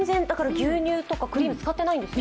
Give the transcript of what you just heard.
牛乳とかクリーム使ってないんですよ。